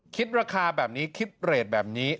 คิดราคาแบบนี้คิดเรทแบบนี้